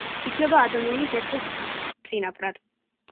ითვლება ადამიანთა ერთ-ერთ წინაპრად.